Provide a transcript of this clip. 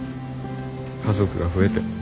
家族が増えて。